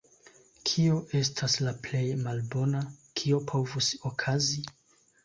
Kio estas la plej malbona, kio povus okazi?